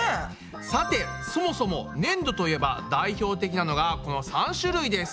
さてそもそもねんどといえば代表的なのがこの３種類です。